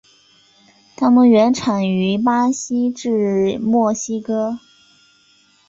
它们原产于巴西至墨西哥。